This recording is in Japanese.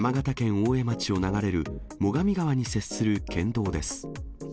大江町を流れる最上川に接する県道です。